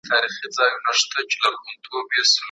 نور به هم ستاسو ستاینه وکړي.